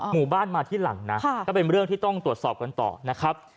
หมู่บ้านมาที่หลังนะก็เป็นเรื่องที่ต้องตรวจสอบกันต่อนะครับ